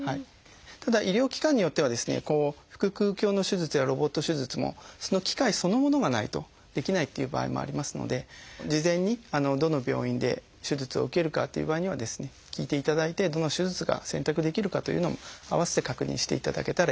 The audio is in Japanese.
ただ医療機関によってはですね腹腔鏡の手術やロボット手術もその機械そのものがないとできないっていう場合もありますので事前にどの病院で手術を受けるかという場合にはですね聞いていただいてどの手術が選択できるかというのも併せて確認していただけたらいいかなと思います。